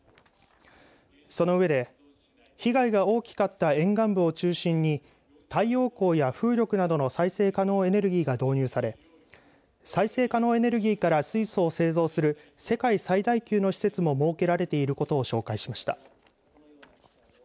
その上で被害が大きかった沿岸部を中心に太陽光や風力などの再生可能エネルギーが導入され再生可能エネルギーから水素を製造する世界最大級の施設も設けられていることを紹介しました。